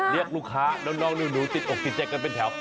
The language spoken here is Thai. เรียกลูกค้าน้องหนูติดอกติดใจกันเป็นแถว